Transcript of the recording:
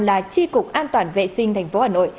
là di cục an toàn vệ sinh tp hà nội